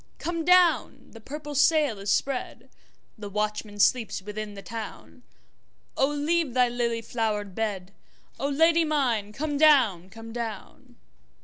Come down! the purple sail is spread, The watchman sleeps within the town,O leave thy lily flowered bed,O Lady mine come down, come down!